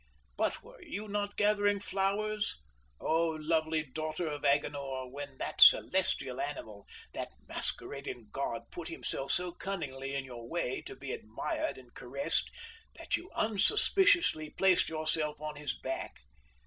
But were you not gathering flowers, O lovely daughter of Agenor, when that celestial animal, that masquerading god, put himself so cunningly in your way to be admired and caressed, until you unsuspiciously placed yourself on his back?